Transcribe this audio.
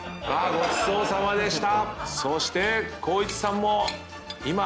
ごちそうさまでした。